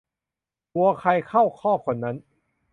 วัวใครเข้าคอกคนนั้น